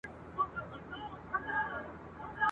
چي ورور مي د خورلڼي ناوکۍ د پلو غل دی !.